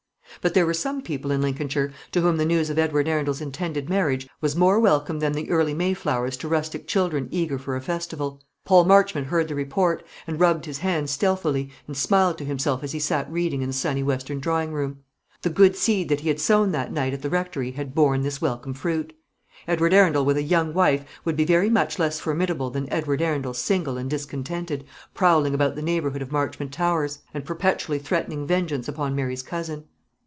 But there were some people in Lincolnshire to whom the news of Edward Arundel's intended marriage was more welcome than the early May flowers to rustic children eager for a festival. Paul Marchmont heard the report, and rubbed his hands stealthily, and smiled to himself as he sat reading in the sunny western drawing room. The good seed that he had sown that night at the Rectory had borne this welcome fruit. Edward Arundel with a young wife would be very much less formidable than Edward Arundel single and discontented, prowling about the neighbourhood of Marchmont Towers, and perpetually threatening vengeance upon Mary's cousin.